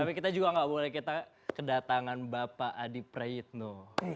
tapi kita juga nggak boleh kita kedatangan bapak adi prayitno